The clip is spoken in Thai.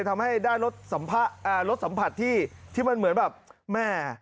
ทำให้ได้รสสัมผัสที่มันเหมือนแบบแม่